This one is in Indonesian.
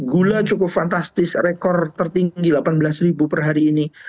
gula cukup fantastis rekor tertinggi delapan belas per hari ini